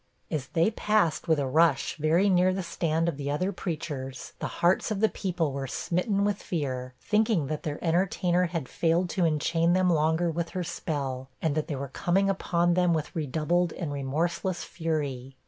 As they passed with a rush very near the stand of the other preachers, the hearts of the people were smitten with fear, thinking that their entertainer had failed to enchain them longer with her spell, and that they were coming upon them with redoubled and remorseless fury.